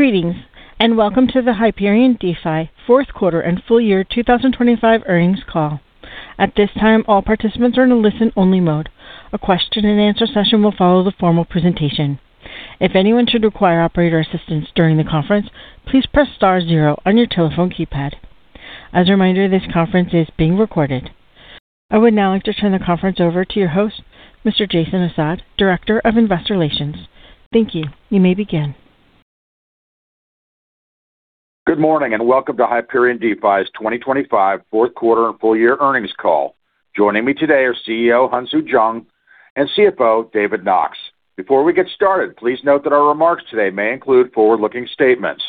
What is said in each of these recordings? Greetings, and welcome to the Hyperion DeFi fourth quarter and full year 2025 earnings call. At this time, all participants are in a listen-only mode. A question and answer session will follow the formal presentation. If anyone should require operator assistance during the conference, please press star zero on your telephone keypad. As a reminder, this conference is being recorded. I would now like to turn the conference over to your host, Mr. Jason Assad, Director of Investor Relations. Thank you. You may begin. Good morning, and welcome to Hyperion DeFi's 2025 fourth quarter and full year earnings call. Joining me today are CEO Hyunsu Jung and CFO David Knox. Before we get started, please note that our remarks today may include forward-looking statements.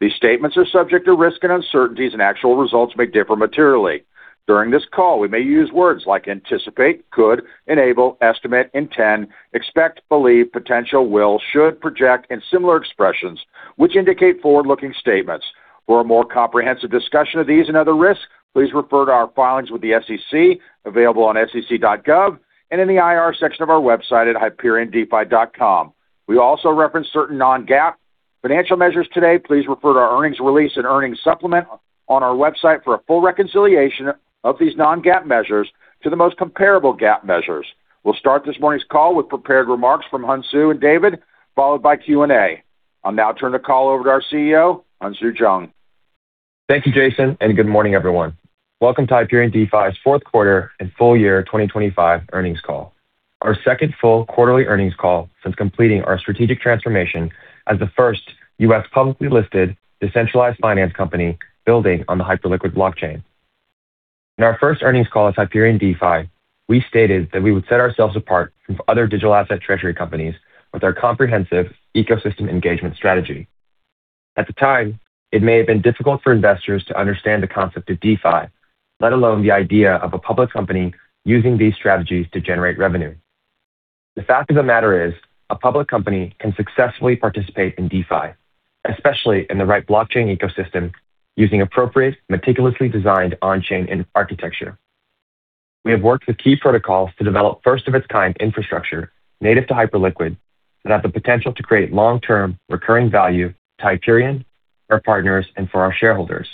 These statements are subject to risks and uncertainties, and actual results may differ materially. During this call, we may use words like anticipate, could, enable, estimate, intend, expect, believe, potential, will, should, project, and similar expressions which indicate forward-looking statements. For a more comprehensive discussion of these and other risks, please refer to our filings with the SEC available on sec.gov and in the IR section of our website at hyperiondefi.com. We also reference certain non-GAAP financial measures today. Please refer to our earnings release and earnings supplement on our website for a full reconciliation of these non-GAAP measures to the most comparable GAAP measures. We'll start this morning's call with prepared remarks from Hyunsu and David, followed by Q&A. I'll now turn the call over to our CEO, Hyunsu Jung. Thank you, Jason, and good morning, everyone. Welcome to Hyperion DeFi's fourth quarter and full year 2025 earnings call, our second full quarterly earnings call since completing our strategic transformation as the first U.S. publicly listed decentralized finance company building on the Hyperliquid blockchain. In our first earnings call as Hyperion DeFi, we stated that we would set ourselves apart from other digital asset treasury companies with our comprehensive ecosystem engagement strategy. At the time, it may have been difficult for investors to understand the concept of DeFi, let alone the idea of a public company using these strategies to generate revenue. The fact of the matter is a public company can successfully participate in DeFi, especially in the right blockchain ecosystem, using appropriate, meticulously designed on-chain architecture. We have worked with key protocols to develop first of its kind infrastructure native to Hyperliquid that have the potential to create long-term recurring value to Hyperion, our partners, and for our shareholders.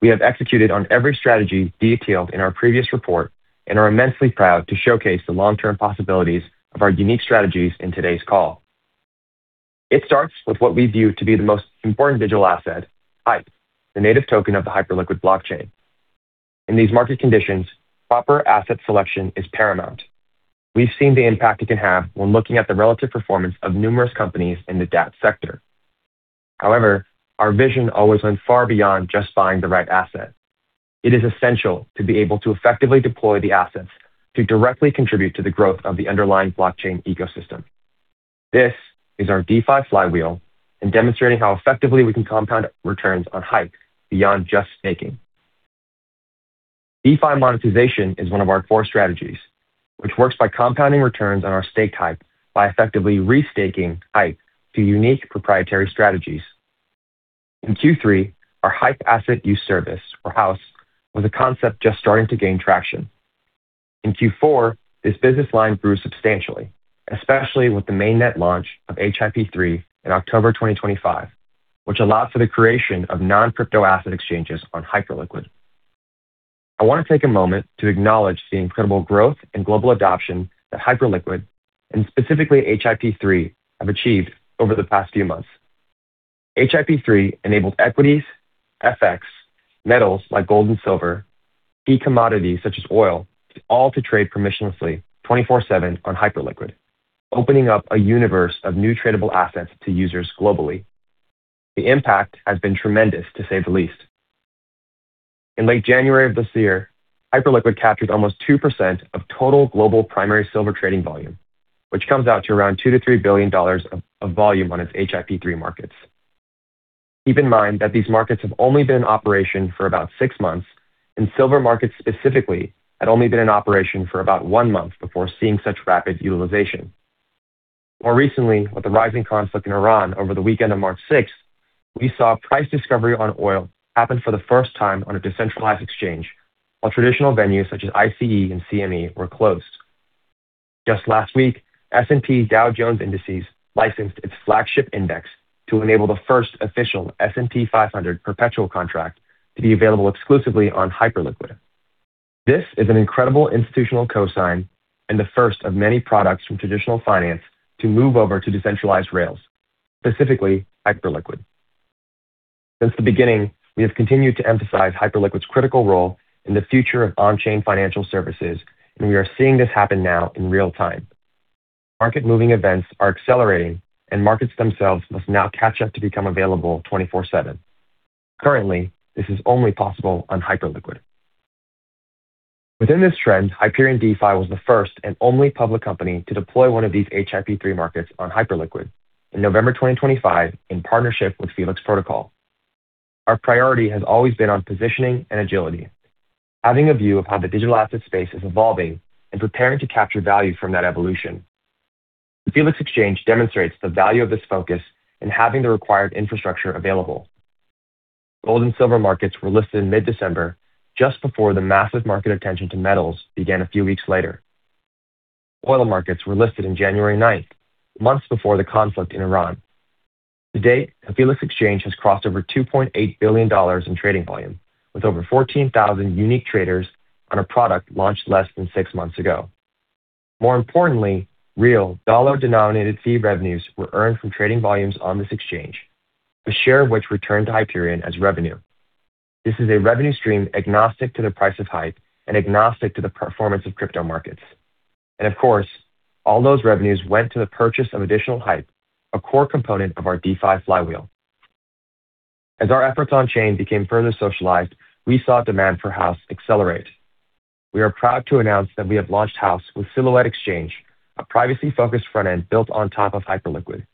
We have executed on every strategy detailed in our previous report and are immensely proud to showcase the long-term possibilities of our unique strategies in today's call. It starts with what we view to be the most important digital asset, HYPE, the native token of the Hyperliquid blockchain. In these market conditions, proper asset selection is paramount. We've seen the impact it can have when looking at the relative performance of numerous companies in the DApp sector. However, our vision always went far beyond just buying the right asset. It is essential to be able to effectively deploy the assets to directly contribute to the growth of the underlying blockchain ecosystem. This is our DeFi flywheel in demonstrating how effectively we can compound returns on HYPE beyond just staking. DeFi monetization is one of our four strategies, which works by compounding returns on our staked HYPE by effectively re-staking HYPE to unique proprietary strategies. In Q3, our HYPE asset use service or HAUS was a concept just starting to gain traction. In Q4, this business line grew substantially, especially with the mainnet launch of HIP-3 in October 2025, which allowed for the creation of non-crypto asset exchanges on Hyperliquid. I want to take a moment to acknowledge the incredible growth and global adoption that Hyperliquid and specifically HIP-3 have achieved over the past few months. HIP-3 enabled equities, FX, metals like gold and silver, key commodities such as oil, all to trade permissionlessly 24/7 on Hyperliquid, opening up a universe of new tradable assets to users globally. The impact has been tremendous, to say the least. In late January of this year, Hyperliquid captured almost 2% of total global primary silver trading volume, which comes out to around $2 billion-$3 billion of volume on its HIP-3 markets. Keep in mind that these markets have only been in operation for about six months, and silver markets specifically had only been in operation for about one month before seeing such rapid utilization. More recently, with the rising conflict in Iran over the weekend of March 6, we saw price discovery on oil happen for the first time on a decentralized exchange, while traditional venues such as ICE and CME were closed. Just last week, S&P Dow Jones Indices licensed its flagship index to enable the first official S&P 500 perpetual contract to be available exclusively on Hyperliquid. This is an incredible institutional cosign and the first of many products from traditional finance to move over to decentralized rails, specifically Hyperliquid. Since the beginning, we have continued to emphasize Hyperliquid's critical role in the future of on-chain financial services, and we are seeing this happen now in real time. Market-moving events are accelerating, and markets themselves must now catch up to become available 24/7. Currently, this is only possible on Hyperliquid. Within this trend, Hyperion DeFi was the first and only public company to deploy one of these HIP-3 markets on Hyperliquid in November 2025 in partnership with Felix Protocol. Our priority has always been on positioning and agility, having a view of how the digital asset space is evolving and preparing to capture value from that evolution. The Felix Protocol demonstrates the value of this focus in having the required infrastructure available. Gold and silver markets were listed in mid-December, just before the massive market attention to metals began a few weeks later. Oil markets were listed in January 9, months before the conflict in Iran. To date, Felix Protocol has crossed over $2.8 billion in trading volume, with over 14,000 unique traders on a product launched less than six months ago. More importantly, real dollar-denominated fee revenues were earned from trading volumes on this exchange, a share of which returned to Hyperion as revenue. This is a revenue stream agnostic to the price of HYPE and agnostic to the performance of crypto markets. Of course, all those revenues went to the purchase of additional HYPE, a core component of our DeFi flywheel. As our efforts on-chain became further socialized, we saw demand for HAUS accelerate. We are proud to announce that we have launched HAUS with Silhouette, a privacy-focused front end built on top of Hyperliquid.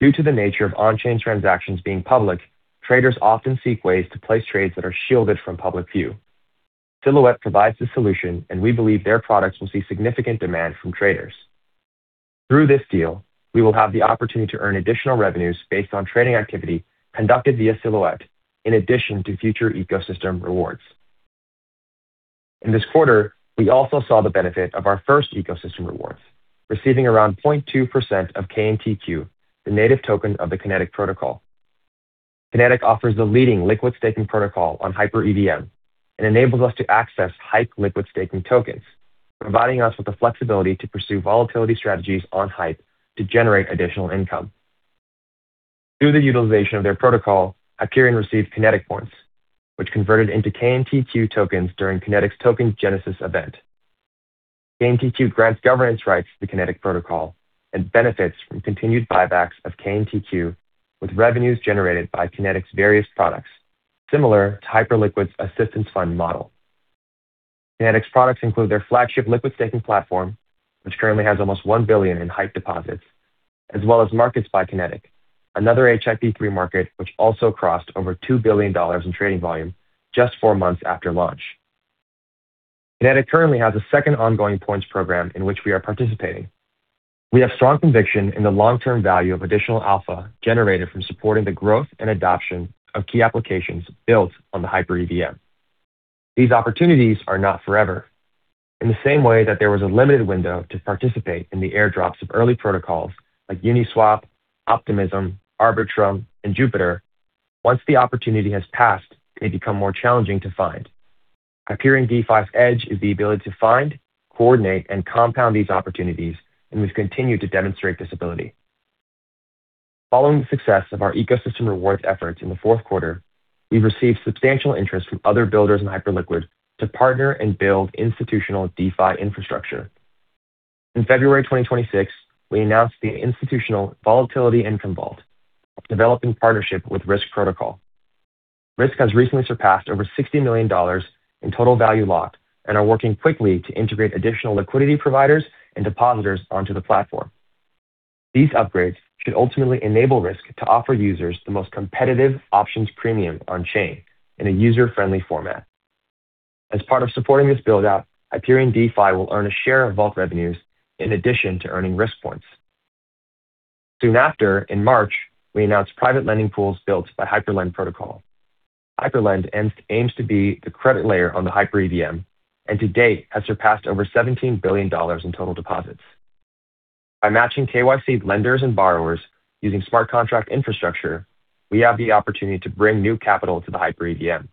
Due to the nature of on-chain transactions being public, traders often seek ways to place trades that are shielded from public view. Silhouette provides the solution, and we believe their products will see significant demand from traders. Through this deal, we will have the opportunity to earn additional revenues based on trading activity conducted via Silhouette in addition to future ecosystem rewards. In this quarter, we also saw the benefit of our first ecosystem rewards, receiving around 0.2% of KNTQ, the native token of the Kinetiq Protocol. Kinetiq offers the leading liquid staking protocol on HyperEVM and enables us to access HYPE liquid staking tokens, providing us with the flexibility to pursue volatility strategies on HYPE to generate additional income. Through the utilization of their protocol, Hyperion received Kinetiq points, which converted into KNTQ tokens during Kinetiq's token genesis event. KNTQ grants governance rights to the Kinetiq protocol and benefits from continued buybacks of KNTQ with revenues generated by Kinetiq's various products, similar to Hyperliquid's assistance fund model. Kinetiq's products include their flagship liquid staking platform, which currently has almost $1 billion in HYPE deposits, as well as Markets by Kinetiq, another HIP-3 market which also crossed over $2 billion in trading volume just four months after launch. Kinetiq currently has a second ongoing points program in which we are participating. We have strong conviction in the long-term value of additional alpha generated from supporting the growth and adoption of key applications built on the HyperEVM. These opportunities are not forever. In the same way that there was a limited window to participate in the airdrops of early protocols like Uniswap, Optimism, Arbitrum, and Jupiter, once the opportunity has passed, it may become more challenging to find. Hyperion DeFi's edge is the ability to find, coordinate, and compound these opportunities, and we've continued to demonstrate this ability. Following the success of our ecosystem rewards efforts in the fourth quarter, we've received substantial interest from other builders in Hyperliquid to partner and build institutional DeFi infrastructure. In February 2026, we announced the Institutional Volatility Income Vault, a developing partnership with Rysk Protocol. Rysk has recently surpassed over $60 million in total value locked and are working quickly to integrate additional liquidity providers and depositors onto the platform. These upgrades should ultimately enable Rysk to offer users the most competitive options premium on chain in a user-friendly format. As part of supporting this build-out, Hyperion DeFi will earn a share of vault revenues in addition to earning Rysk points. Soon after, in March, we announced private lending pools built by HyperLend Protocol. HyperLend aims to be the credit layer on the HyperEVM, and to date has surpassed over $17 billion in total deposits. By matching KYC lenders and borrowers using smart contract infrastructure, we have the opportunity to bring new capital to the HyperEVM.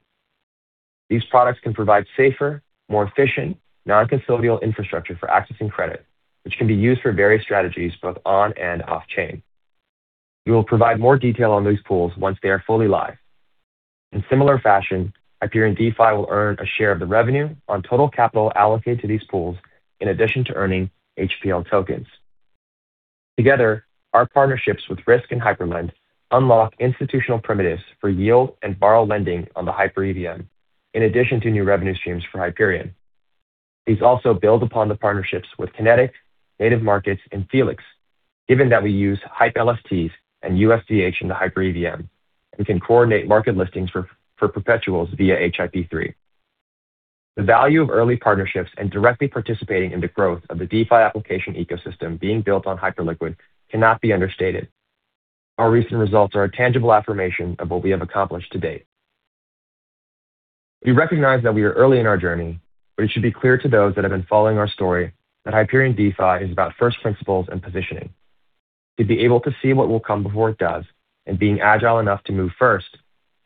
These products can provide safer, more efficient, non-custodial infrastructure for accessing credit, which can be used for various strategies both on and off chain. We will provide more detail on these pools once they are fully live. In similar fashion, Hyperion DeFi will earn a share of the revenue on total capital allocated to these pools in addition to earning HPL tokens. Together, our partnerships with Rysk and HyperLend unlock institutional primitives for yield and borrow lending on the HyperEVM in addition to new revenue streams for Hyperion. These also build upon the partnerships with Kinetiq, Native Markets, and Felix, given that we use HYPE LSTs and USDH in the HyperEVM and can coordinate market listings for perpetuals via HIP-3. The value of early partnerships and directly participating in the growth of the DeFi application ecosystem being built on Hyperliquid cannot be understated. Our recent results are a tangible affirmation of what we have accomplished to date. We recognize that we are early in our journey, but it should be clear to those that have been following our story that Hyperion DeFi is about first principles and positioning, to be able to see what will come before it does and being agile enough to move first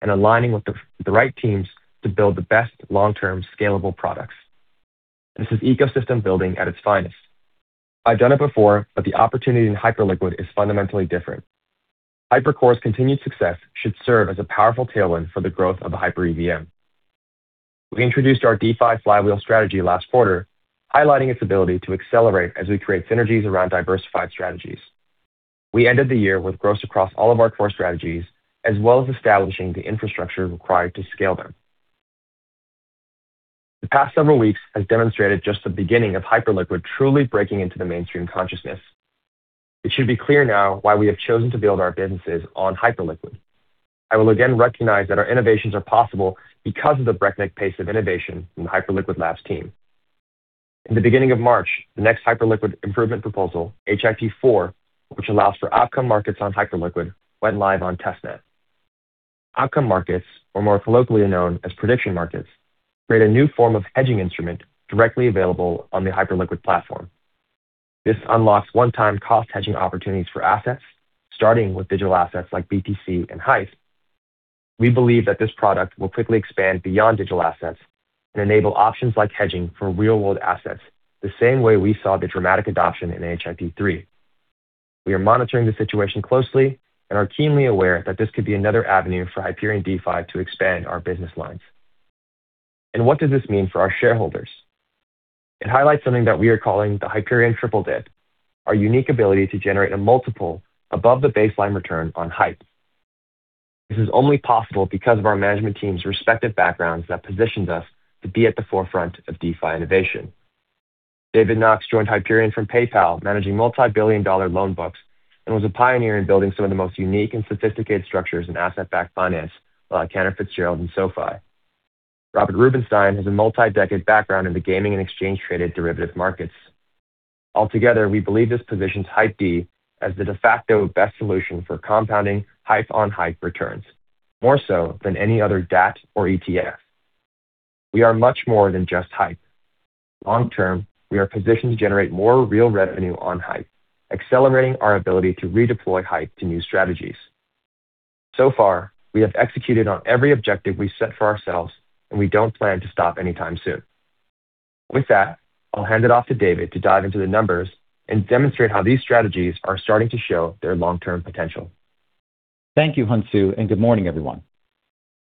and aligning with the right teams to build the best long-term scalable products. This is ecosystem building at its finest. I've done it before, but the opportunity in Hyperliquid is fundamentally different. HyperCore's continued success should serve as a powerful tailwind for the growth of the HyperEVM. We introduced our DeFi flywheel strategy last quarter, highlighting its ability to accelerate as we create synergies around diversified strategies. We ended the year with growth across all of our core strategies, as well as establishing the infrastructure required to scale them. The past several weeks has demonstrated just the beginning of Hyperliquid truly breaking into the mainstream consciousness. It should be clear now why we have chosen to build our businesses on Hyperliquid. I will again recognize that our innovations are possible because of the breakneck pace of innovation in the Hyperliquid Labs team. In the beginning of March, the next Hyperliquid Improvement Proposal, HIP-4, which allows for outcome markets on Hyperliquid, went live on testnet. Outcome markets, or more colloquially known as prediction markets, create a new form of hedging instrument directly available on the Hyperliquid platform. This unlocks one-time cost hedging opportunities for assets, starting with digital assets like BTC and HYPE. We believe that this product will quickly expand beyond digital assets and enable options like hedging for real-world assets, the same way we saw the dramatic adoption in HIP-3. We are monitoring the situation closely and are keenly aware that this could be another avenue for Hyperion DeFi to expand our business lines. And what does this mean for our shareholders? It highlights something that we are calling the Hyperion Triple-Dip, our unique ability to generate a multiple above the baseline return on HYPE. This is only possible because of our management team's respective backgrounds that positions us to be at the forefront of DeFi innovation. David Knox joined Hyperion from PayPal, managing multi-billion dollar loan books, and was a pioneer in building some of the most unique and sophisticated structures in asset-backed finance while at Cantor Fitzgerald and SoFi. Robert Rubenstein has a multi-decade background in the gaming and exchange-traded derivative markets. Altogether, we believe this positions Hyperion as the de facto best solution for compounding HYPE-on-HYPE returns, more so than any other DApp or ETF. We are much more than just HYPE. Long-term, we are positioned to generate more real revenue on HYPE, accelerating our ability to redeploy HYPE to new strategies. We have executed on every objective we set for ourselves, and we don't plan to stop anytime soon. With that, I'll hand it off to David to dive into the numbers and demonstrate how these strategies are starting to show their long-term potential. Thank you, Hyunsu Jung, and good morning, everyone.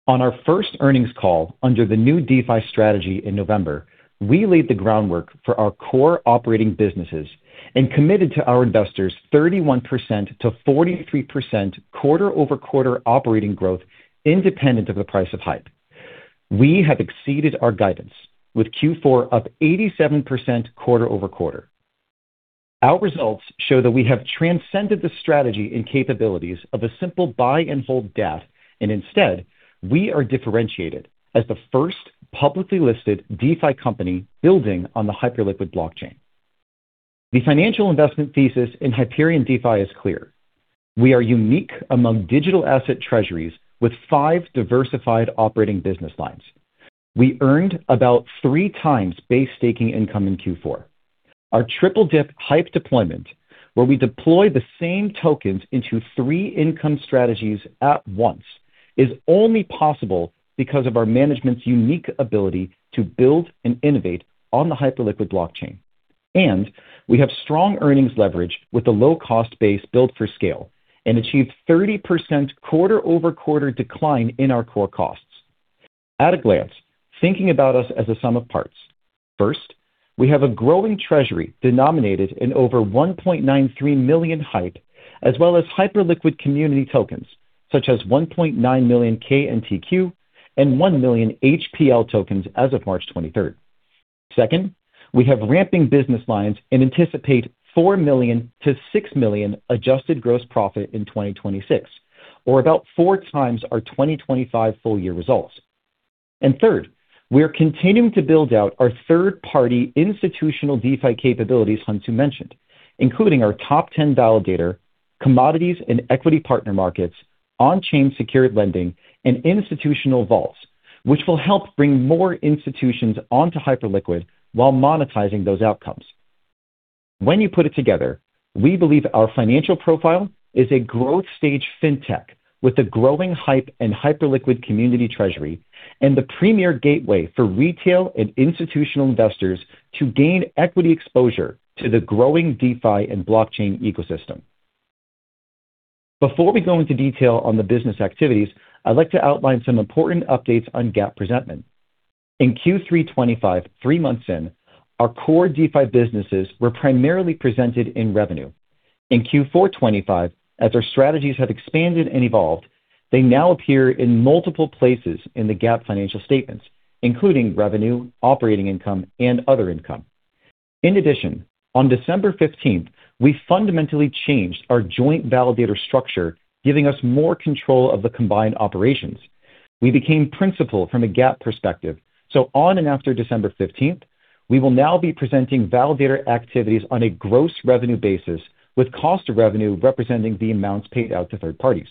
On our first earnings call under the new DeFi strategy in November, we laid the groundwork for our core operating businesses and committed to our investors 31%-43% quarter-over-quarter operating growth independent of the price of HYPE. We have exceeded our guidance with Q4 up 87% quarter-over-quarter. Our results show that we have transcended the strategy and capabilities of a simple buy and hold DApp, and instead, we are differentiated as the first publicly listed DeFi company building on the Hyperliquid blockchain. The financial investment thesis in Hyperion DeFi is clear. We are unique among digital asset treasuries with five diversified operating business lines. We earned about three times base staking income in Q4. Our Triple-Dip HYPE deployment, where we deploy the same tokens into three income strategies at once, is only possible because of our management's unique ability to build and innovate on the Hyperliquid blockchain. We have strong earnings leverage with a low-cost base built for scale and achieved 30% quarter-over-quarter decline in our core costs. At a glance, thinking about us as a sum of parts. First, we have a growing treasury denominated in over 1.93 million HYPE, as well as Hyperliquid community tokens, such as 1.9 million KNTQ and 1 million HPL tokens as of March 23. Second, we have ramping business lines and anticipate $4 million-$6 million adjusted gross profit in 2026, or about 4 times our 2025 full year results. Third, we are continuing to build out our third-party institutional DeFi capabilities Hyunsu mentioned, including our top ten validator, commodities and equity partner markets, on-chain secured lending, and institutional vaults, which will help bring more institutions onto Hyperliquid while monetizing those outcomes. When you put it together, we believe our financial profile is a growth stage fintech with a growing HYPE and Hyperliquid community treasury and the premier gateway for retail and institutional investors to gain equity exposure to the growing DeFi and blockchain ecosystem. Before we go into detail on the business activities, I'd like to outline some important updates on GAAP presentment. In Q3 2025, three months in, our core DeFi businesses were primarily presented in revenue. In Q4 2025, as our strategies have expanded and evolved, they now appear in multiple places in the GAAP financial statements, including revenue, operating income, and other income. In addition, on December 15th, we fundamentally changed our joint validator structure, giving us more control of the combined operations. We became principal from a GAAP perspective. So, on and after December 15th, we will now be presenting validator activities on a gross revenue basis, with cost of revenue representing the amounts paid out to third parties.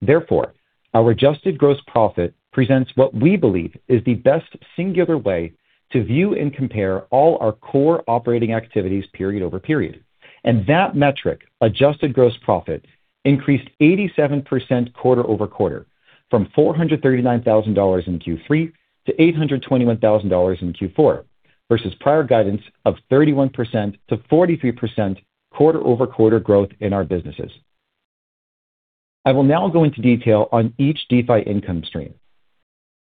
Therefore, our adjusted gross profit presents what we believe is the best singular way to view and compare all our core operating activities period over period. And that metric, adjusted gross profit, increased 87% quarter-over-quarter from $439,000 in Q3 to $821,000 in Q4, versus prior guidance of 31%-43% quarter-over-quarter growth in our businesses. I will now go into detail on each DeFi income stream.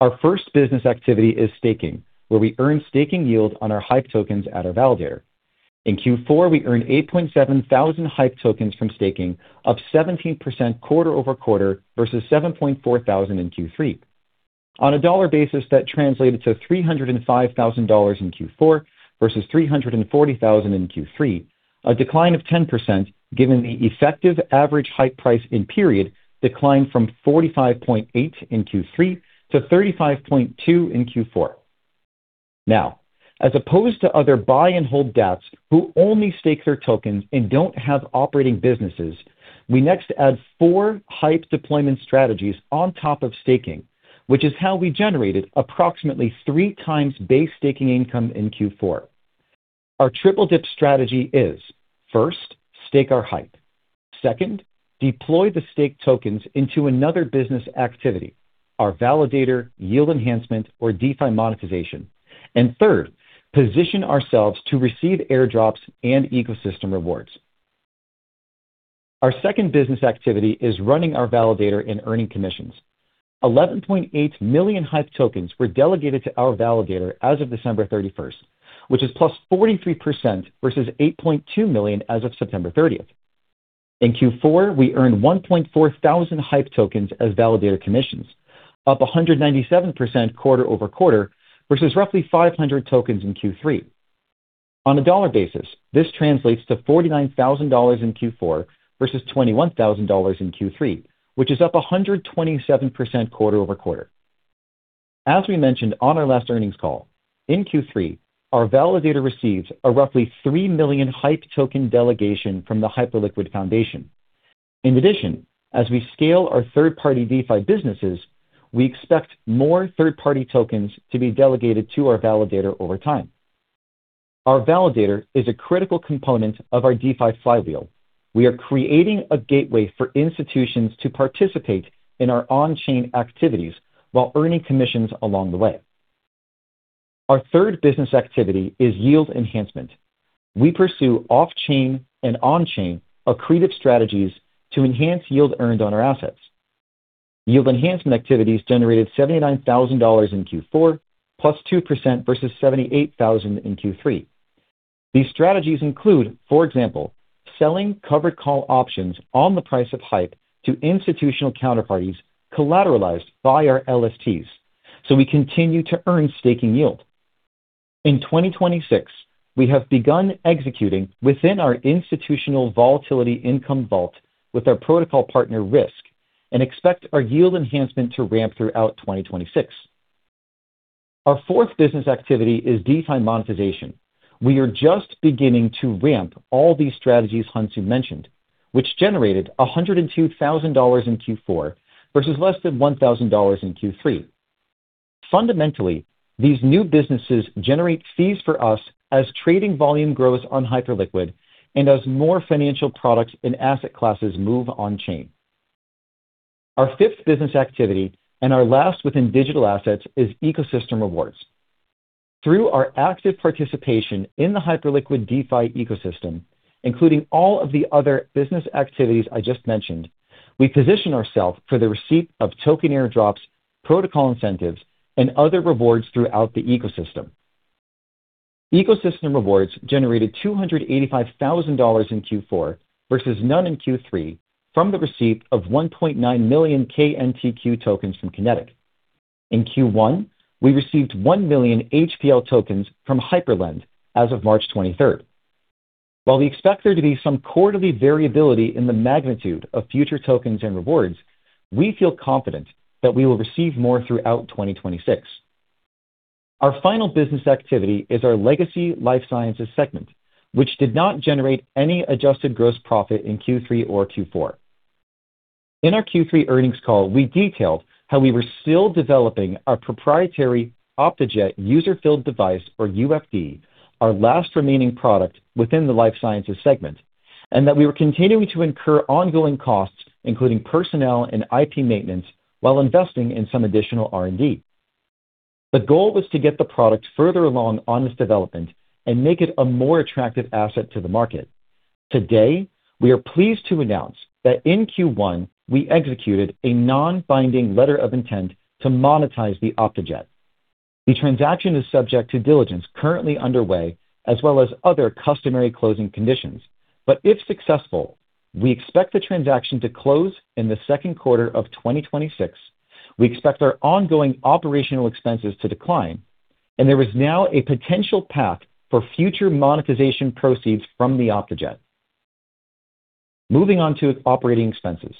Our first business activity is staking, where we earn staking yield on our HYPE tokens at our validator. In Q4, we earned 8.7 thousand HYPE tokens from staking, up 17% quarter-over-quarter versus 7.4 thousand in Q3. On a dollar basis, that translated to $305,000 in Q4 versus $340,000 in Q3, a decline of 10% given the effective average HYPE price in period declined from 45.8 in Q3 to 35.2 in Q4. Now, as opposed to other buy and hold DApps who only stake their tokens and don't have operating businesses, we next add four HYPE deployment strategies on top of staking, which is how we generated approximately 3 times base staking income in Q4. Our Triple-Dip strategy is first, stake our HYPE. Second, deploy the staked tokens into another business activity, our validator, yield enhancement, or DeFi monetization. And third, position ourselves to receive airdrops and ecosystem rewards. Our second business activity is running our validator and earning commissions. 11.8 million HYPE tokens were delegated to our validator as of December 31st, which is +43% versus 8.2 million as of September 30. In Q4, we earned 1.4 thousand HYPE tokens as validator commissions, up 197% quarter-over-quarter versus roughly 500 tokens in Q3. On a dollar basis, this translates to $49,000 in Q4 versus $21,000 in Q3, which is up 127% quarter-over-quarter. As we mentioned on our last earnings call, in Q3, our validator receives a roughly 3 million HYPE token delegation from the Hyperliquid Foundation. In addition, as we scale our third-party DeFi businesses, we expect more third-party tokens to be delegated to our validator over time. Our validator is a critical component of our DeFi flywheel. We are creating a gateway for institutions to participate in our on-chain activities while earning commissions along the way. Our third business activity is yield enhancement. We pursue off-chain and on-chain accretive strategies to enhance yield earned on our assets. Yield enhancement activities generated $79,000 in Q4, +2% versus $78,000 in Q3. These strategies include, for example, selling covered call options on the price of HYPE to institutional counterparties collateralized by our LSTs, so we continue to earn staking yield. In 2026, we have begun executing within our Institutional Volatility Income Vault with our protocol partner Rysk and expect our yield enhancement to ramp throughout 2026. Our fourth business activity is DeFi monetization. We are just beginning to ramp all these strategies Hyunsu mentioned, which generated $102,000 in Q4 versus less than $1,000 in Q3. Fundamentally, these new businesses generate fees for us as trading volume grows on Hyperliquid and as more financial products and asset classes move on-chain. Our fifth business activity, and our last within digital assets, is ecosystem rewards. Through our active participation in the Hyperliquid DeFi ecosystem, including all of the other business activities I just mentioned, we position ourselves for the receipt of token airdrops, protocol incentives, and other rewards throughout the ecosystem. Ecosystem rewards generated $285,000 in Q4 versus none in Q3 from the receipt of 1.9 million KNTQ tokens from Kinetiq. In Q1, we received 1 million HPL tokens from HyperLend as of March 23. While we expect there to be some quarterly variability in the magnitude of future tokens and rewards, we feel confident that we will receive more throughout 2026. Our final business activity is our legacy life sciences segment, which did not generate any adjusted gross profit in Q3 or Q4. In our Q3 earnings call, we detailed how we were still developing our proprietary Optejet user-filled device or UFD, our last remaining product within the life sciences segment, and that we were continuing to incur ongoing costs, including personnel and IT maintenance while investing in some additional R&D. The goal was to get the product further along on this development and make it a more attractive asset to the market. Today, we are pleased to announce that in Q1, we executed a non-binding letter of intent to monetize the Optejet. Which the transaction is subject to diligence currently underway as well as other customary closing conditions. But if successful, we expect the transaction to close in the second quarter of 2026. We expect our ongoing operational expenses to decline, and there is now a potential path for future monetization proceeds from the Optejet. Moving on to operating expenses.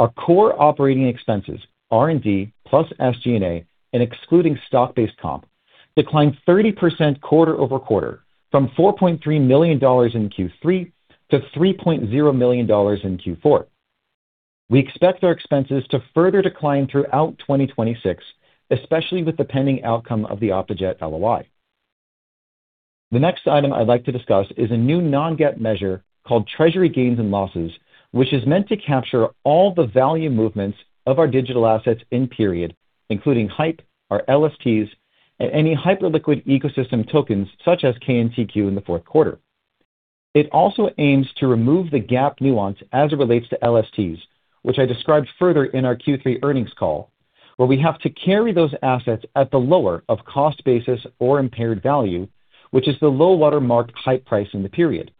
Our core operating expenses, R&D plus SG&A, and excluding stock-based comp, declined 30% quarter-over-quarter from $4.3 million in Q3 to $3.0 million in Q4. We expect our expenses to further decline throughout 2026, especially with the pending outcome of the Optejet LOI. The next item I'd like to discuss is a new non-GAAP measure called treasury gains and losses, which is meant to capture all the value movements of our digital assets in period, including HYPE, our LSTs, and any Hyperliquid ecosystem tokens such as KNTQ in the fourth quarter. It also aims to remove the GAAP nuance as it relates to LSTs, which I described further in our Q3 earnings call, where we have to carry those assets at the lower of cost basis or impaired value, which is the low water mark HYPE price in the period.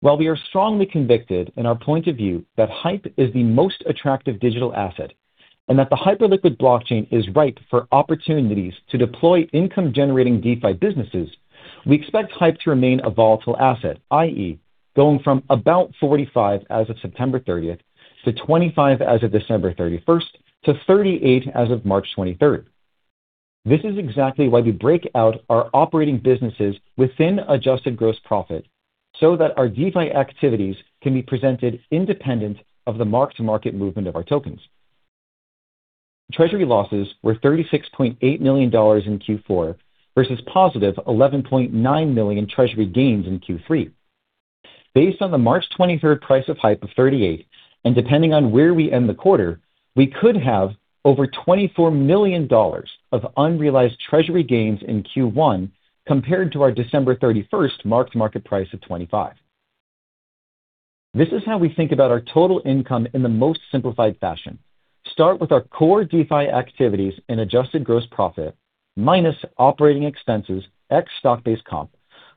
While we are strongly convicted in our point of view that HYPE is the most attractive digital asset and that the Hyperliquid blockchain is ripe for opportunities to deploy income-generating DeFi businesses. We expect HYPE to remain a volatile asset, i.e. going from about $45 as of September 30 to $25 as of December 31 to $38 as of March 23. This is exactly why we break out our operating businesses within adjusted gross profit, so that our DeFi activities can be presented independent of the mark-to-market movement of our tokens. Treasury losses were $36.8 million in Q4 versus positive $11.9 million treasury gains in Q3. Based on the March 23 price of HYPE of 38, and depending on where we end the quarter, we could have over $24 million of unrealized treasury gains in Q1 compared to our December 31 mark-to-market price of 25. This is how we think about our total income in the most simplified fashion. Start with our core DeFi activities and adjusted gross profit minus operating expenses, ex stock-based comp,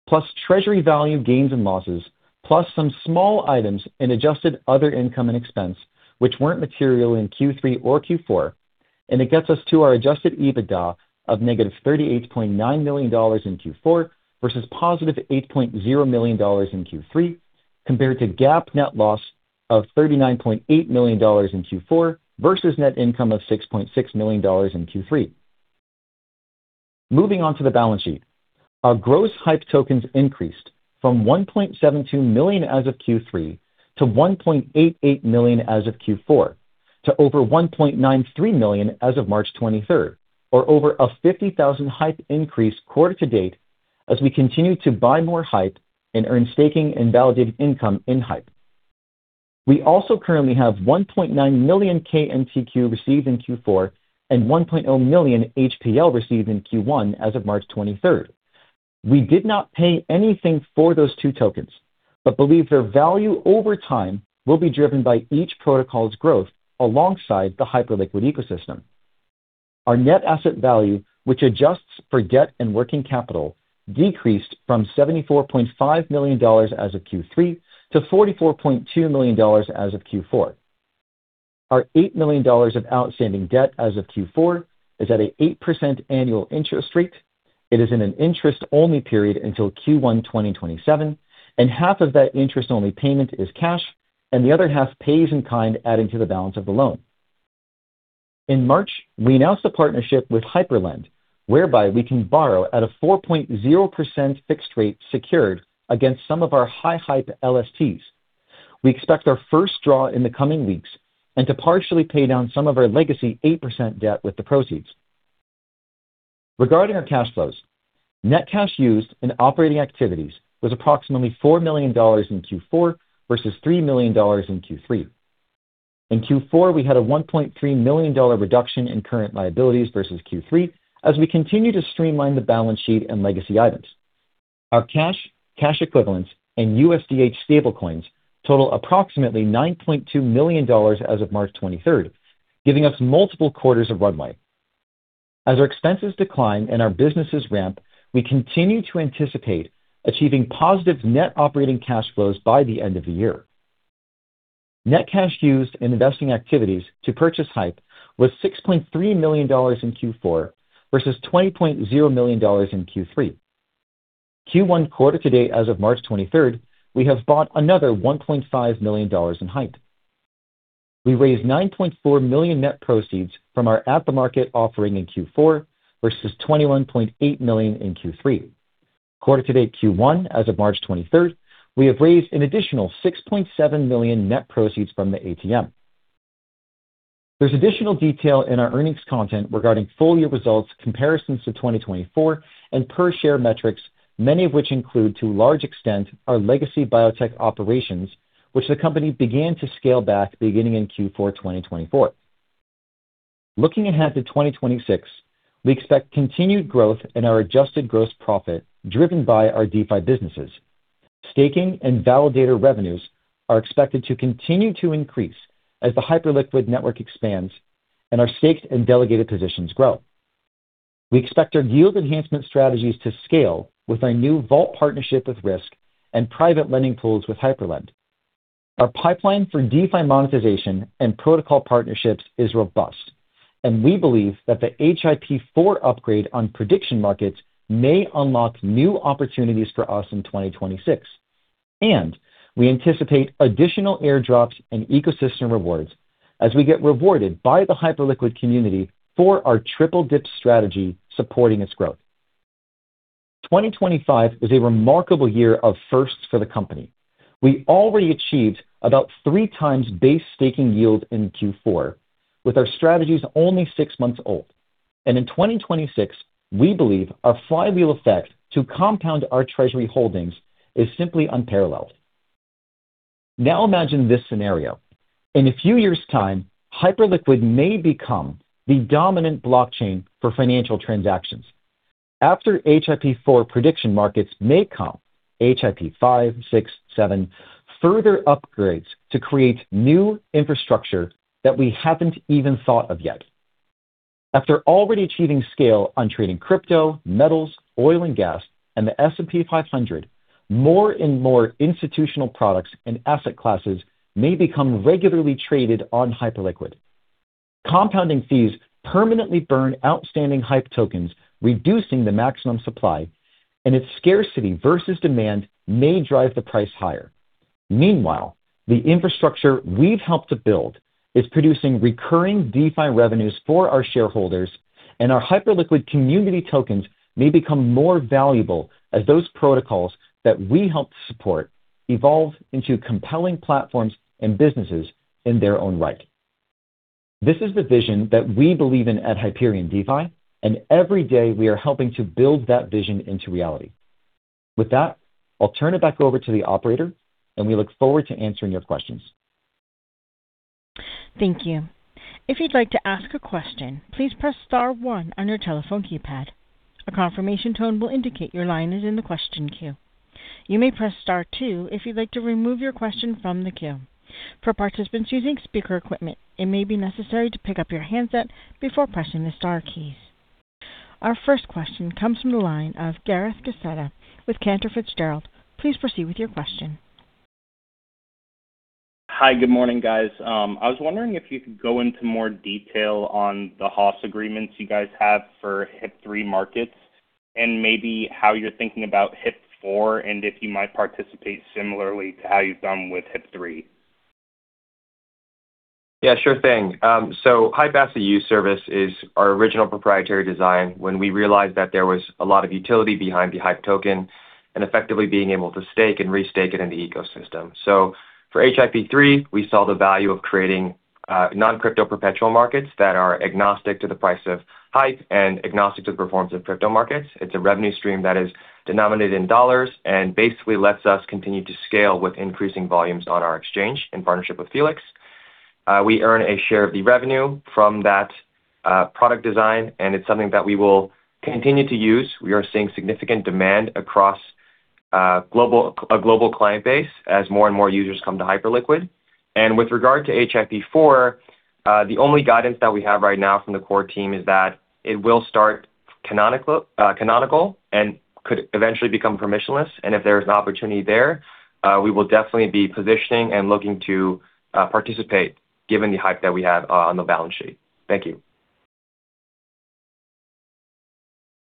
plus treasury value gains and losses, plus some small items and adjusted other income and expense which weren't material in Q3 or Q4. It gets us to our adjusted EBITDA of -$38.9 million in Q4, versus +$8.0 million in Q3, compared to GAAP net loss of $39.8 million in Q4, versus net income of $6.6 million in Q3. Moving on to the balance sheet. Our gross HYPE tokens increased from 1.72 million as of Q3 to 1.88 million as of Q4, to over 1.93 million as of March 23, or over a 50,000 HYPE increase quarter to date as we continue to buy more HYPE and earn staking and validated income in HYPE. We also currently have 1.9 million KNTQ received in Q4 and 1.0 million HPL received in Q1 as of March 23. We did not pay anything for those two tokens, but believe their value over time will be driven by each protocol's growth alongside the Hyperliquid ecosystem. Our net asset value, which adjusts for debt and working capital, decreased from $74.5 million as of Q3 to $44.2 million as of Q4. Our $8 million of outstanding debt as of Q4 is at an 8% annual interest rate. It is in an interest-only period until Q1 2027, and half of that interest-only payment is cash, and the other half pays in kind, adding to the balance of the loan. In March, we announced a partnership with HyperLend, whereby we can borrow at a 4.0% fixed rate secured against some of our high HYPE LSTs. We expect our first draw in the coming weeks and to partially pay down some of our legacy 8% debt with the proceeds. Regarding our cash flows, net cash used in operating activities was approximately $4 million in Q4 versus $3 million in Q3. In Q4, we had a $1.3 million reduction in current liabilities versus Q3 as we continue to streamline the balance sheet and legacy items. Our cash equivalents, and USDH stablecoins total approximately $9.2 million as of March 23, giving us multiple quarters of runway. As our expenses decline and our businesses ramp, we continue to anticipate achieving positive net operating cash flows by the end of the year. Net cash used in investing activities to purchase HYPE was $6.3 million in Q4 versus $20.0 million in Q3. Q1 quarter to date as of March 23, we have bought another $1.5 million in HYPE. We raised $9.4 million net proceeds from our at-the-market offering in Q4 versus $21.8 million in Q3. Quarter to date Q1 as of March 23, we have raised an additional $6.7 million net proceeds from the ATM. There's additional detail in our earnings content regarding full-year results, comparisons to 2024, and per share metrics, many of which include to a large extent our legacy biotech operations, which the company began to scale back beginning in Q4 2024. Looking ahead to 2026, we expect continued growth in our adjusted gross profit driven by our DeFi businesses. Staking and validator revenues are expected to continue to increase as the Hyperliquid network expands and our staked and delegated positions grow. We expect our yield enhancement strategies to scale with our new vault partnership with Rysk and private lending pools with HyperLend. Our pipeline for DeFi monetization and protocol partnerships is robust, and we believe that the HIP-4 upgrade on prediction markets may unlock new opportunities for us in 2026. And we anticipate additional airdrops and ecosystem rewards as we get rewarded by the Hyperliquid community for our Triple-Dip strategy supporting its growth. 2025 is a remarkable year of firsts for the company. We already achieved about three times base staking yield in Q4 with our strategies only six months old. In 2026, we believe our flywheel effect to compound our treasury holdings is simply unparalleled. Now imagine this scenario. In a few years' time, Hyperliquid may become the dominant blockchain for financial transactions. After HIP-4 prediction markets may come HIP-5, 6, 7, further upgrades to create new infrastructure that we haven't even thought of yet. After already achieving scale on trading crypto, metals, oil and gas, and the S&P 500, more and more institutional products and asset classes may become regularly traded on Hyperliquid. Compounding fees permanently burn outstanding HYPE tokens, reducing the maximum supply, and its scarcity versus demand may drive the price higher. Meanwhile, the infrastructure we've helped to build is producing recurring DeFi revenues for our shareholders, and our Hyperliquid community tokens may become more valuable as those protocols that we help support evolve into compelling platforms and businesses in their own right. This is the vision that we believe in at Hyperion DeFi, and every day we are helping to build that vision into reality. With that, I'll turn it back over to the operator, and we look forward to answering your questions. Thank you. If you'd like to ask a question, please press star one on your telephone keypad. A confirmation tone will indicate your line is in the question queue. You may press star two if you'd like to remove your question from the queue. For participants using speaker equipment, it may be necessary to pick up your handset before pressing the star keys. Our first question comes from the line of Gareth Gacetta with Cantor Fitzgerald. Please proceed with your question. Hi. Good morning, guys. I was wondering if you could go into more detail on the HAUS agreements you guys have for HIP-3 markets and maybe how you're thinking about HIP-4 and if you might participate similarly to how you've done with HIP-3. Yeah, sure thing. HYPE as a use service is our original proprietary design when we realized that there was a lot of utility behind the HYPE token and effectively being able to stake and restake it in the ecosystem. For HIP-3 we saw the value of creating non-crypto perpetual markets that are agnostic to the price of HYPE and agnostic to the performance of crypto markets. It's a revenue stream that is denominated in dollars and basically lets us continue to scale with increasing volumes on our exchange. In partnership with Felix, we earn a share of the revenue from that product design and it's something that we will continue to use. We are seeing significant demand across a global client base as more and more users come to Hyperliquid. With regard to HIP-4, the only guidance that we have right now from the core team is that it will start canonical and could eventually become permissionless. If there's an opportunity there, we will definitely be positioning and looking to participate given the HYPE that we have on the balance sheet. Thank you.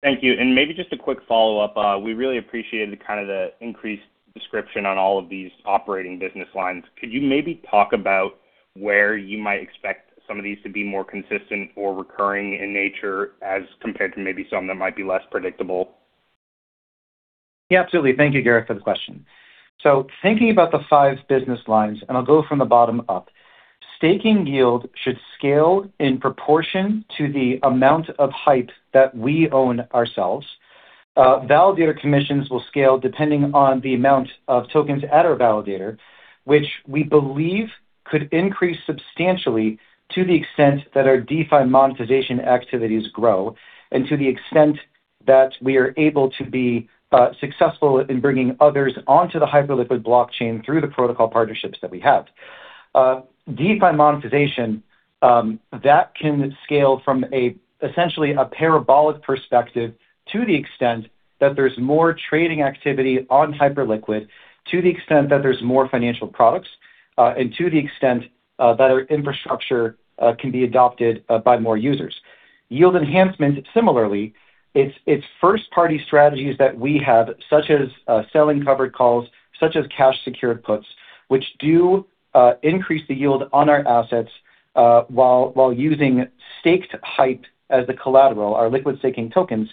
Thank you. Maybe just a quick follow-up. We really appreciated kind of the increased description on all of these operating business lines. Could you maybe talk about where you might expect some of these to be more consistent or recurring in nature as compared to maybe some that might be less predictable? Yeah, absolutely. Thank you, Gareth, for the question. Thinking about the five business lines, and I'll go from the bottom up. Staking yield should scale in proportion to the amount of HYPE that we own ourselves. Validator commissions will scale depending on the amount of tokens at our validator, which we believe could increase substantially to the extent that our DeFi monetization activities grow and to the extent that we are able to be successful in bringing others onto the Hyperliquid blockchain through the protocol partnerships that we have. DeFi monetization, that can scale from essentially a parabolic perspective to the extent that there's more trading activity on Hyperliquid, to the extent that there's more financial products, and to the extent that our infrastructure can be adopted by more users. Yield enhancement similarly, it's first-party strategies that we have, such as selling covered calls, such as cash-secured puts, which increase the yield on our assets while using staked HYPE as the collateral, our liquid staking tokens.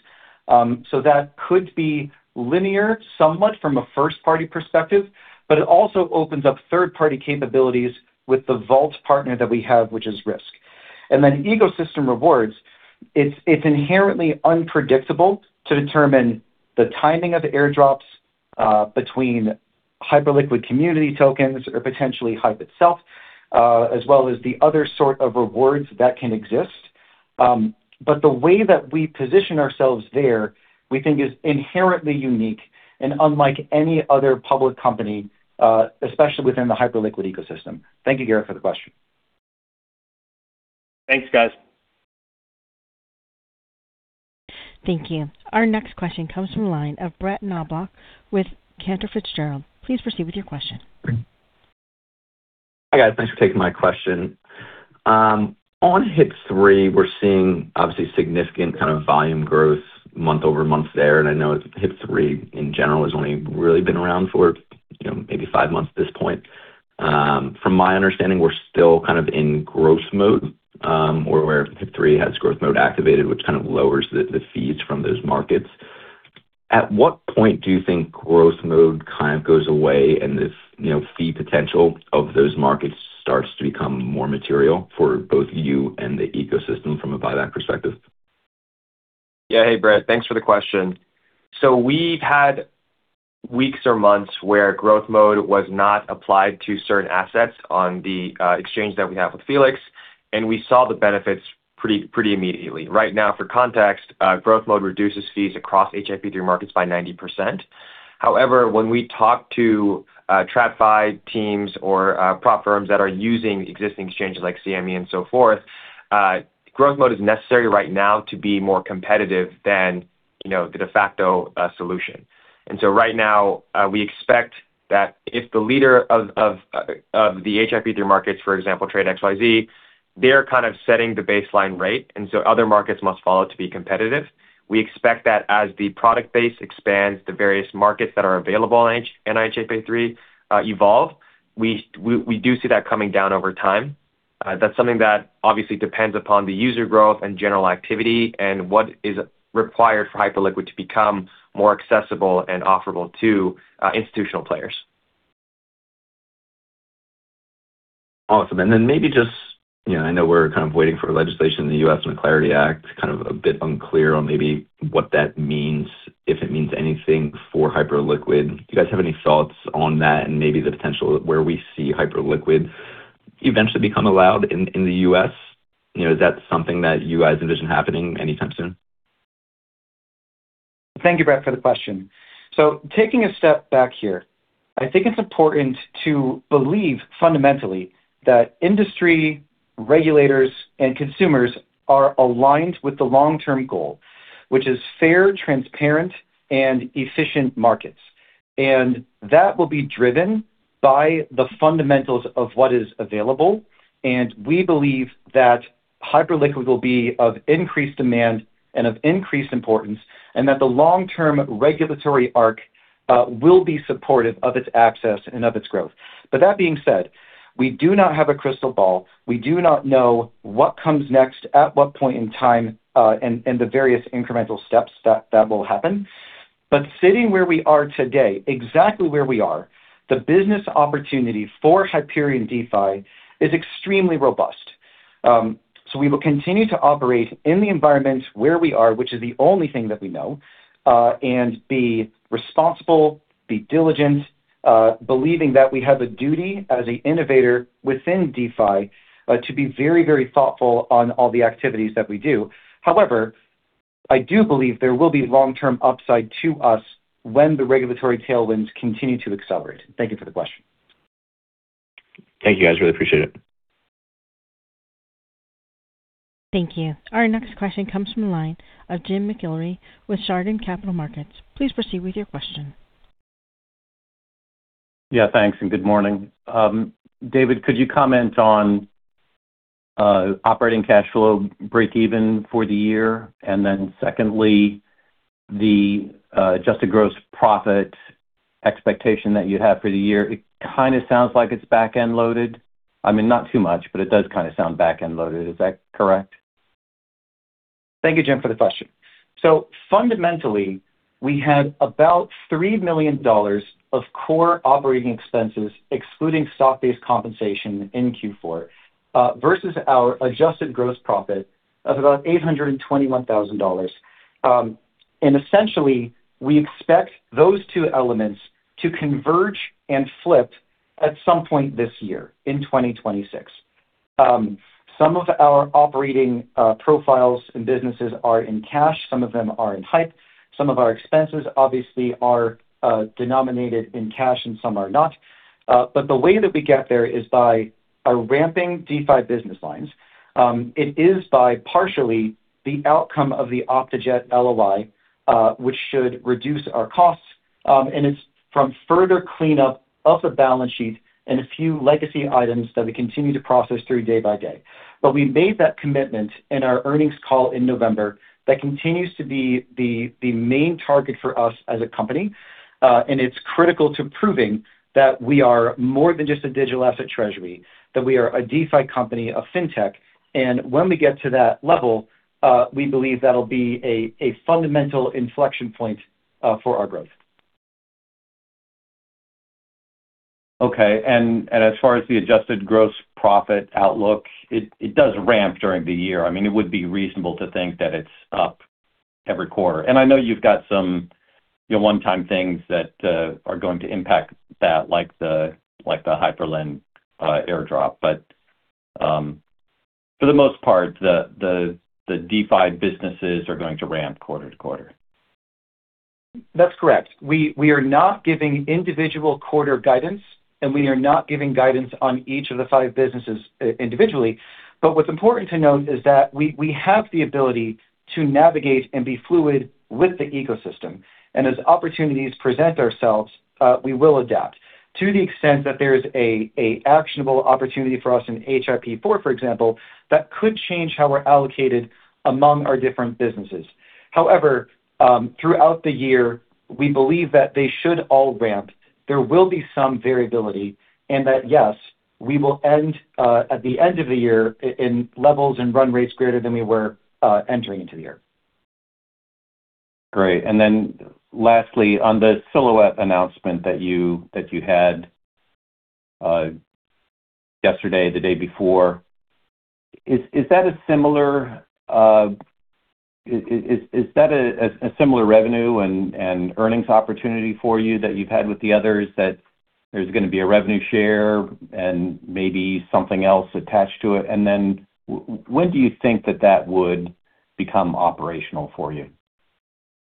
So that could be linear somewhat from a first-party perspective, but it also opens up third-party capabilities with the vault partner that we have, which is Rysk. Ecosystem rewards. It's inherently unpredictable to determine the timing of airdrops between Hyperliquid community tokens or potentially HYPE itself, as well as the other sort of rewards that can exist. The way that we position ourselves there, we think is inherently unique and unlike any other public company, especially within the Hyperliquid ecosystem. Thank you, Gareth, for the question. Thanks, guys. Thank you. Our next question comes from the line of Brett Knoblauch with Cantor Fitzgerald. Please proceed with your question. Hi, guys. Thanks for taking my question. On HIP-3, we're seeing obviously significant kind of volume growth month-over-month there. I know HIP-3 in general has only really been around for, you know, maybe five months at this point. From my understanding, we're still kind of in growth mode, or where HIP-3 has growth mode activated, which kind of lowers the fees from those markets. At what point do you think growth mode kind of goes away and this, you know, fee potential of those markets starts to become more material for both you and the ecosystem from a buyback perspective? Hey, Brett, thanks for the question. We've had weeks or months where growth mode was not applied to certain assets on the exchange that we have with Felix, and we saw the benefits pretty immediately. Right now, for context, growth mode reduces fees across HIP-3 markets by 90%. However, when we talk to TradFi teams or prop firms that are using existing exchanges like CME and so forth, growth mode is necessary right now to be more competitive than, you know, the de facto solution. Right now, we expect that if the leader of the HIP-3 markets, for example, Trade[XYZ], they're kind of setting the baseline rate, and so other markets must follow to be competitive. We expect that as the product base expands, the various markets that are available in HIP-3 evolve. We do see that coming down over time. That's something that obviously depends upon the user growth and general activity and what is required for Hyperliquid to become more accessible and offerable to institutional players. Awesome. Maybe just, you know, I know we're kind of waiting for legislation in the U.S. and the Clarity Act, kind of a bit unclear on maybe what that means, if it means anything for Hyperliquid. Do you guys have any thoughts on that and maybe the potential where we see Hyperliquid eventually become allowed in the U.S.? You know, is that something that you guys envision happening anytime soon? Thank you, Brett, for the question. Taking a step back here, I think it's important to believe fundamentally that industry regulators and consumers are aligned with the long-term goal, which is fair, transparent and efficient markets. That will be driven by the fundamentals of what is available, and we believe that Hyperliquid will be of increased demand and of increased importance, and that the long-term regulatory arc will be supportive of its access and of its growth. That being said, we do not have a crystal ball. We do not know what comes next, at what point in time, and the various incremental steps that will happen. Sitting where we are today, exactly where we are, the business opportunity for Hyperion DeFi is extremely robust. We will continue to operate in the environments where we are, which is the only thing that we know, and be responsible, be diligent, believing that we have a duty as an innovator within DeFi to be very, very thoughtful on all the activities that we do. However, I do believe there will be long-term upside to us when the regulatory tailwinds continue to accelerate. Thank you for the question. Thank you, guys. Really appreciate it. Thank you. Our next question comes from the line of Jim McIlree with Chardan Capital Markets. Please proceed with your question. Yeah, thanks, good morning. David, could you comment on operating cash flow break even for the year? Then secondly, the adjusted gross profit expectation that you have for the year. It kind of sounds like it's back-end loaded. I mean, not too much, but it does kind of sound back-end loaded. Is that correct? Thank you, Jim, for the question. Fundamentally, we had about $3 million of core operating expenses, excluding stock-based compensation in Q4, versus our adjusted gross profit of about $821,000. Essentially, we expect those two elements to converge and flip at some point this year in 2026. Some of our operating profiles and businesses are in cash, some of them are in HYPE. Some of our expenses obviously are denominated in cash and some are not. The way that we get there is by our ramping DeFi business lines. It is by partially the outcome of the Optejet LOI, which should reduce our costs, and it's from further cleanup of the balance sheet and a few legacy items that we continue to process through day by day. We made that commitment in our earnings call in November. That continues to be the main target for us as a company, and it's critical to proving that we are more than just a digital asset treasury, that we are a DeFi company, a Fintech. When we get to that level, we believe that'll be a fundamental inflection point for our growth. Okay. As far as the adjusted gross profit outlook, it does ramp during the year. I mean, it would be reasonable to think that it's up every quarter. I know you've got some one-time things that are going to impact that, like the HyperLend airdrop. For the most part, the DeFi businesses are going to ramp quarter to quarter. That's correct. We are not giving individual quarter guidance, and we are not giving guidance on each of the five businesses individually. What's important to note is that we have the ability to navigate and be fluid with the ecosystem. As opportunities present ourselves, we will adapt to the extent that there is a actionable opportunity for us in HIP-4, for example, that could change how we're allocated among our different businesses. However, throughout the year, we believe that they should all ramp. There will be some variability and that, yes, we will end at the end of the year in levels and run rates greater than we were entering into the year. Great. Lastly, on the Silhouette announcement that you had yesterday, the day before, is that a similar revenue and earnings opportunity for you that you've had with the others, that there's gonna be a revenue share and maybe something else attached to it? When do you think that would become operational for you?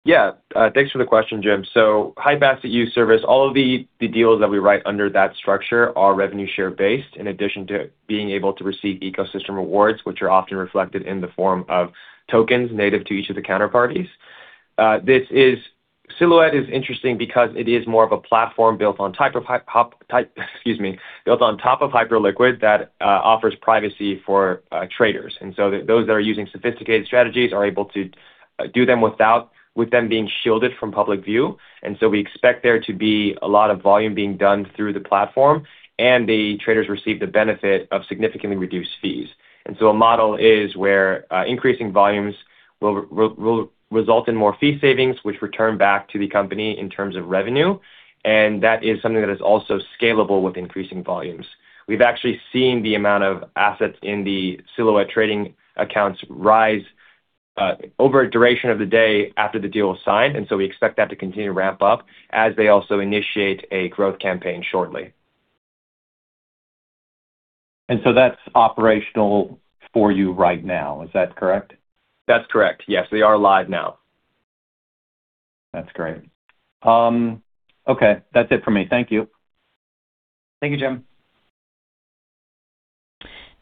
Yeah. Thanks for the question, Jim. HAUS, all of the deals that we write under that structure are revenue share based, in addition to being able to receive ecosystem rewards, which are often reflected in the form of tokens native to each of the counterparties. This, Silhouette, is interesting because it is more of a platform built on top of Hyperliquid that offers privacy for traders. Those that are using sophisticated strategies are able to do them with them being shielded from public view. We expect there to be a lot of volume being done through the platform, and the traders receive the benefit of significantly reduced fees. That is something that is also scalable with increasing volumes. We've actually seen the amount of assets in the Silhouette trading accounts rise over the duration of the day after the deal was signed, and so we expect that to continue to ramp up as they also initiate a growth campaign shortly. That's operational for you right now, is that correct? That's correct. Yes, we are live now. That's great. Okay. That's it for me. Thank you. Thank you, Jim.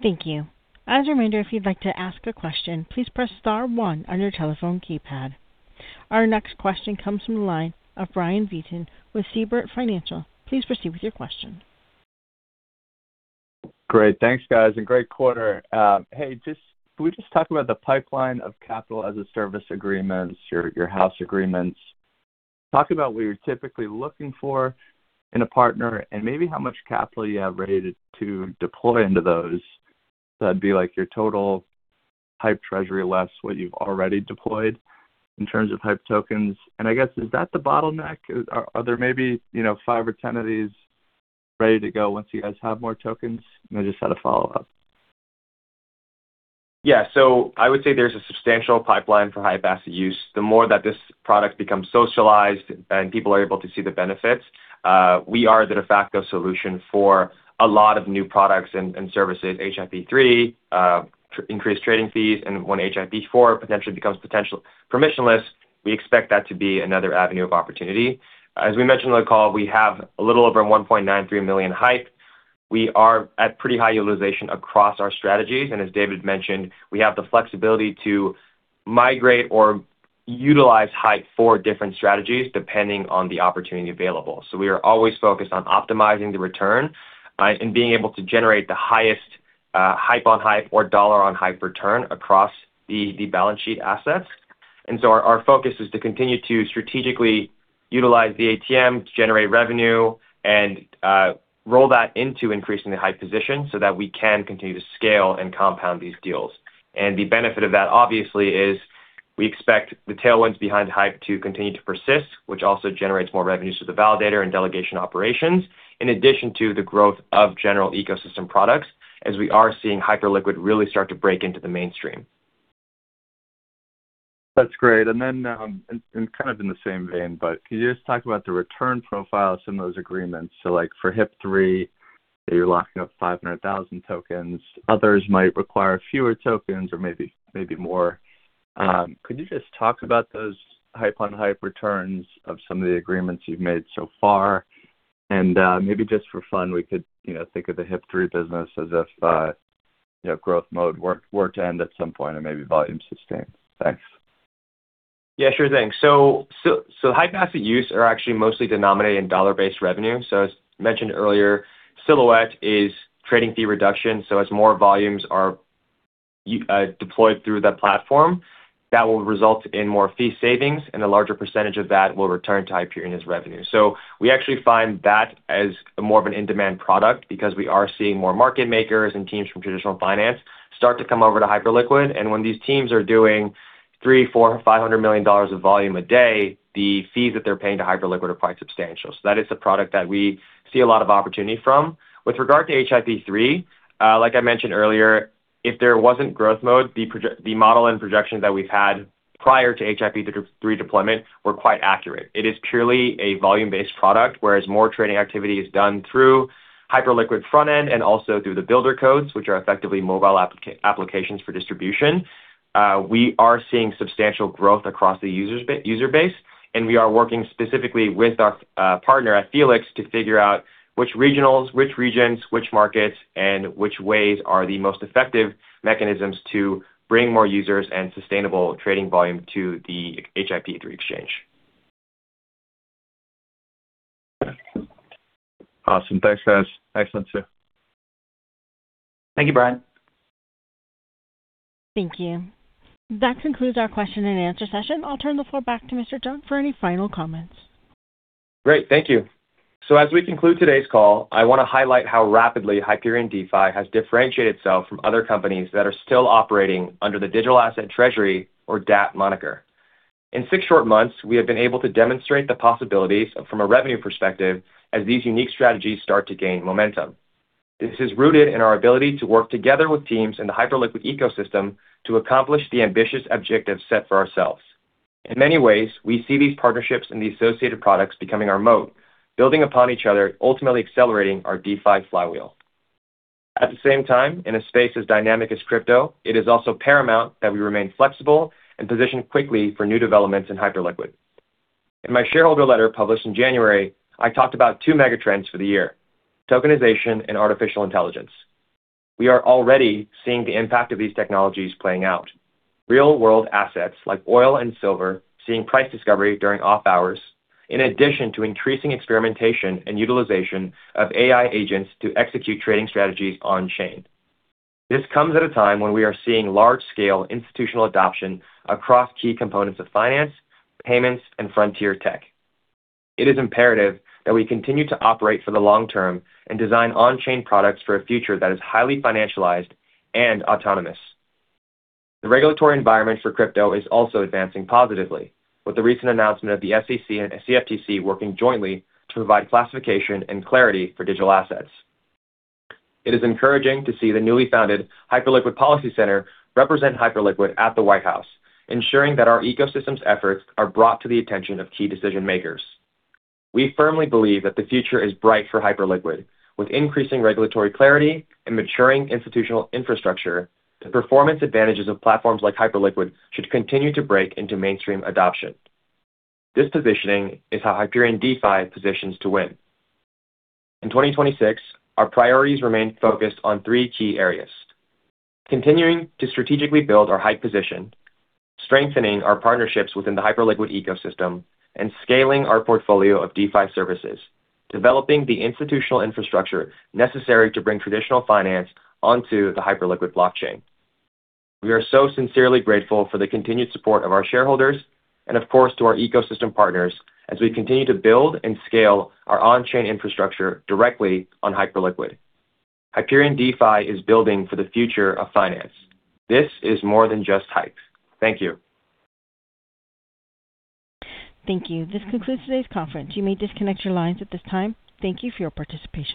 Thank you. As a reminder, if you'd like to ask a question, please press star one on your telephone keypad. Our next question comes from the line of Brian Vieten with Siebert Financial. Please proceed with your question. Great. Thanks, guys, and great quarter. Hey, can we just talk about the pipeline of capital as a service agreement, your HAUS agreements? Talk about what you're typically looking for in a partner and maybe how much capital you have ready to deploy into those. That'd be like your total HYPE treasury less what you've already deployed in terms of HYPE tokens. I guess, is that the bottleneck? Are there maybe, you know, five or 10 of these ready to go once you guys have more tokens? I just had a follow-up. Yeah. I would say there's a substantial pipeline for high asset use. The more that this product becomes socialized and people are able to see the benefits, we are the de facto solution for a lot of new products and services, HIP-3, increased trading fees, and when HIP-4 potentially becomes permissionless, we expect that to be another avenue of opportunity. As we mentioned on the call, we have a little over 1.93 million HYPE. We are at pretty high utilization across our strategies, and as David mentioned, we have the flexibility to migrate or utilize HYPE for different strategies depending on the opportunity available. We are always focused on optimizing the return, and being able to generate the highest, HYPE-on-HYPE or dollar-on-HYPE return across the balance sheet assets. Our focus is to continue to strategically utilize the ATM, generate revenue, and roll that into increasing the HYPE position so that we can continue to scale and compound these deals. The benefit of that obviously is we expect the tailwinds behind HYPE to continue to persist, which also generates more revenues to the validator and delegation operations, in addition to the growth of general ecosystem products, as we are seeing Hyperliquid really start to break into the mainstream. That's great. Kind of in the same vein, but can you just talk about the return profile of some of those agreements? Like for HIP-3, you're locking up 500,000 tokens. Others might require fewer tokens or maybe more. Could you just talk about those HYPE-on-HYPE returns of some of the agreements you've made so far? And maybe just for fun, we could, you know, think of the HIP-3 business as if, you know, growth mode were to end at some point and maybe volume sustained. Thanks. Yeah, sure thing. HYPE assets are actually mostly denominated in dollar-based revenue. As mentioned earlier, Silhouette is trading fee reduction, so as more volumes are deployed through that platform, that will result in more fee savings, and a larger percentage of that will return to Hyperion as revenue. So we actually find that as more of an in-demand product because we are seeing more market makers and teams from traditional finance start to come over to Hyperliquid. When these teams are doing $300-$500 million of volume a day, the fees that they're paying to Hyperliquid are quite substantial. That is a product that we see a lot of opportunity from. With regard to HIP-3, like I mentioned earlier, if there wasn't growth mode, the model and projections that we've had prior to HIP-3 deployment were quite accurate. It is purely a volume-based product, whereas more trading activity is done through Hyperliquid front end and also through the builder codes, which are effectively mobile applications for distribution. We are seeing substantial growth across the user base, and we are working specifically with our partner at Felix to figure out which regionals, which regions, which markets, and which ways are the most effective mechanisms to bring more users and sustainable trading volume to the HIP-3 exchange. Awesome. Thanks, guys. Excellent stuff. Thank you, Brian. Thank you. That concludes our question and answer session. I'll turn the floor back to Mr. Jung for any final comments. Great. Thank you. As we conclude today's call, I want to highlight how rapidly Hyperion DeFi has differentiated itself from other companies that are still operating under the digital asset treasury or DAT moniker. In six short months, we have been able to demonstrate the possibilities from a revenue perspective as these unique strategies start to gain momentum. This is rooted in our ability to work together with teams in the Hyperliquid ecosystem to accomplish the ambitious objectives set for ourselves. In many ways, we see these partnerships and the associated products becoming our moat, building upon each other, ultimately accelerating our DeFi flywheel. At the same time, in a space as dynamic as crypto, it is also paramount that we remain flexible and position quickly for new developments in Hyperliquid. In my shareholder letter published in January, I talked about two mega trends for the year, tokenization and artificial intelligence. We are already seeing the impact of these technologies playing out. Real-world assets like oil and silver, seeing price discovery during off-hours, in addition to increasing experimentation and utilization of AI agents to execute trading strategies on-chain. This comes at a time when we are seeing large-scale institutional adoption across key components of finance, payments, and frontier tech. It is imperative that we continue to operate for the long term and design on-chain products for a future that is highly financialized and autonomous. The regulatory environment for crypto is also advancing positively, with the recent announcement of the SEC and CFTC working jointly to provide classification and clarity for digital assets. It is encouraging to see the newly founded Hyperliquid Policy Center represent Hyperliquid at the White House, ensuring that our ecosystem's efforts are brought to the attention of key decision-makers. We firmly believe that the future is bright for Hyperliquid. With increasing regulatory clarity and maturing institutional infrastructure, the performance advantages of platforms like Hyperliquid should continue to break into mainstream adoption. This positioning is how Hyperion DeFi positions to win. In 2026, our priorities remain focused on three key areas. Continuing to strategically build our HYPE position, strengthening our partnerships within the Hyperliquid ecosystem, and scaling our portfolio of DeFi services, developing the institutional infrastructure necessary to bring traditional finance onto the Hyperliquid blockchain. We are so sincerely grateful for the continued support of our shareholders and of course, to our ecosystem partners as we continue to build and scale our on-chain infrastructure directly on Hyperliquid. Hyperion DeFi is building for the future of finance. This is more than just hype. Thank you. Thank you. This concludes today's conference. You may disconnect your lines at this time. Thank you for your participation.